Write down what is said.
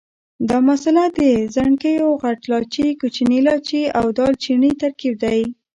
دا مساله د ځڼکیو، غټ لاچي، کوچني لاچي او دال چیني ترکیب دی.